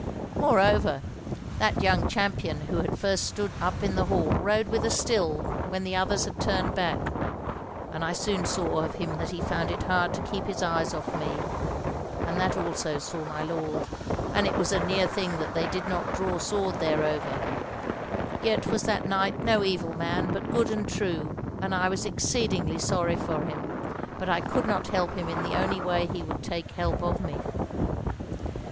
"Moreover, that young champion who had first stood up in the hall rode with us still, when the others had turned back; and I soon saw of him that he found it hard to keep his eyes off me; and that also saw my lord, and it was a near thing that they did not draw sword thereover: yet was that knight no evil man, but good and true, and I was exceedingly sorry for him; but I could not help him in the only way he would take help of me.